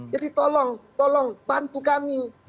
jadi tolong tolong bantu kami